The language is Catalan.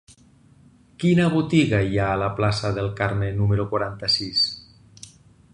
Quina botiga hi ha a la plaça del Carme número quaranta-sis?